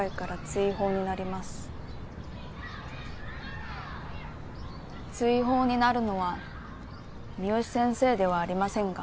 追放になるのは三好先生ではありませんが。